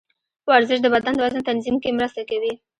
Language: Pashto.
ورزش د بدن د وزن تنظیم کې مرسته کوي.